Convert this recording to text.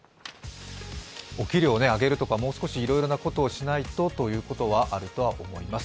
お給料を上げるとかもう少しいろいろなことをしないとということはあると思います。